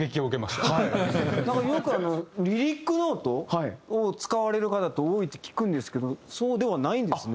たまによくリリックノートを使われる方って多いって聞くんですけどそうではないんですね。